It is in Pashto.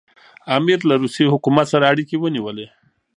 امیر له روسي حکومت سره اړیکي ونیولې.